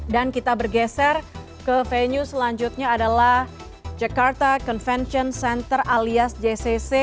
dan kita bergeser ke venue selanjutnya adalah jakarta convention center alias jcc